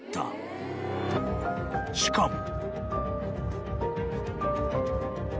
［しかも］